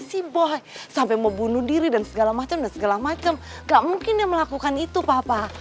si boy sampai mau bunuh diri dan segala macam segala macam nggak mungkin melakukan itu papa